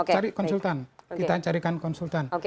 cari konsultan kita carikan konsultan